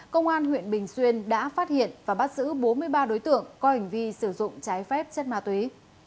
công an huyện bình xuyên đã phát hiện và bắt giữ bốn mươi ba đối tượng có hành vi sử dụng trái phép chất ma túy